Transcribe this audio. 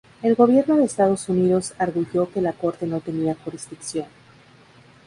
El Gobierno de Estados Unidos arguyó que la Corte no tenía jurisdicción.